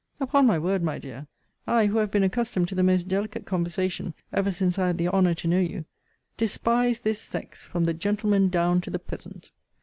Upon my word, my dear, I, who have been accustomed to the most delicate conversation ever since I had the honour to know you, despise this sex from the gentleman down to the peasant.